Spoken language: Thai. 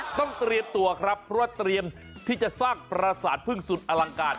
ต้องเตรียมตัวเตรียมจะสร้างปราศาสตร์พึ่งสุดไลังการ